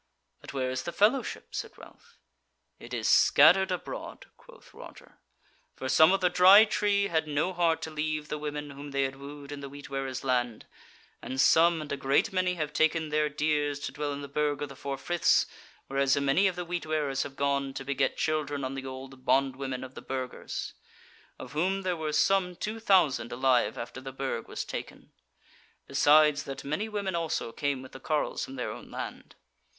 "But where is the Fellowship?" said Ralph. "It is scattered abroad," quoth Roger. "For some of the Dry Tree had no heart to leave the women whom they had wooed in the Wheat wearer's land: and some, and a great many, have taken their dears to dwell in the Burg of the Four Friths, whereas a many of the Wheat wearers have gone to beget children on the old bondwomen of the Burgers; of whom there were some two thousand alive after the Burg was taken; besides that many women also came with the carles from their own land.